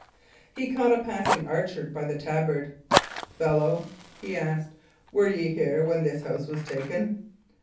He caught a passing archer by the tabard. "Fellow," he asked, "were ye here when this house was taken?"